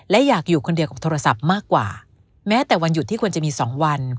และอยากอยู่คนเดียวกับโทรศัพท์มากกว่าแม้แต่วันหยุดที่ควรจะมีสองวัน